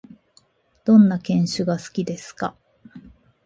どんな犬種が好きですか？